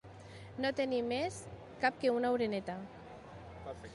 No tenir més cap que una oreneta.